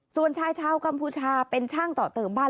ส่วนชายชาวกัมพูชาเป็นช่างต่อเติมบ้าน